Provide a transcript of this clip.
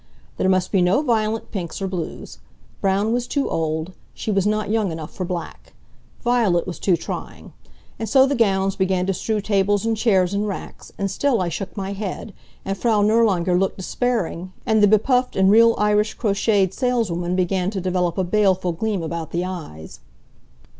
There must be no violent pinks or blues. Brown was too old. She was not young enough for black. Violet was too trying. And so the gowns began to strew tables and chairs and racks, and still I shook my head, and Frau Nirlanger looked despairing, and the be puffed and real Irish crocheted saleswoman began to develop a baleful gleam about the eyes.